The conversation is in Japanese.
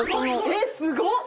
えっすごっ！